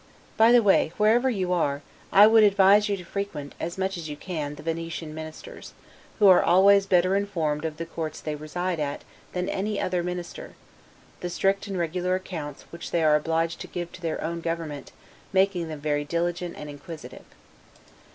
By the way, wherever you are, I would advise you to frequent, as much as you can, the Venetian Ministers; who are always better informed of the courts they reside at than any other minister; the strict and regular accounts, which they are obliged to give to their own government, making them very diligent and inquisitive.